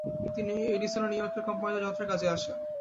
তিনি এডিসনের নিউইয়র্কের কোম্পানিতে যন্ত্রের কাজে আসেন।